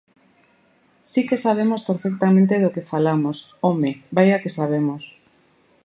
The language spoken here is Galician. Si que sabemos perfectamente do que falamos, ¡home!, ¡vaia se sabemos!